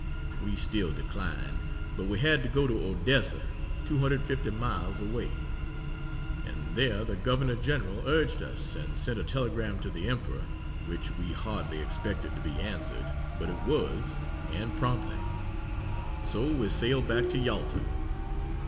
We still declined. But we had to go to Odessa, 250 miles away, and there the Governor General urged us, and sent a telegram to the Emperor, which we hardly expected to be answered, but it was, and promptly. So we sailed back to Yalta.